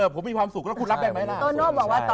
ผมมีความสุขแล้วคุณรับได้ไหมล่ะ